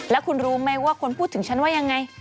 แล้วคุณรู้ไหมว่าคนพูดถึงฉันว่ายังไง